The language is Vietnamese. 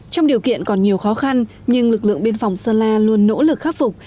trong điều kiện còn nhiều khó khăn nhưng lực lượng biên phòng sơn la luôn nỗ lực khắc phục